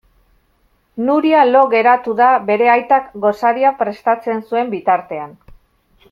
Nuria lo geratu da bere aitak gosaria prestatzen zuen bitartean.